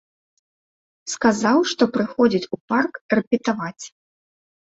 Сказаў, што прыходзіць у парк рэпетаваць.